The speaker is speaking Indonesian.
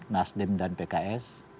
nasdim dan pks